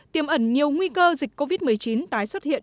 tiêm ẩn nhiều nguy cơ dịch covid một mươi chín tái xuất hiện